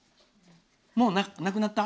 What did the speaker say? もうなくなった。